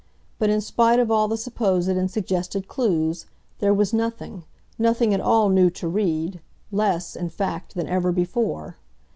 But in spite of all the supposed and suggested clues, there was nothing—nothing at all new to read, less, in fact than ever before.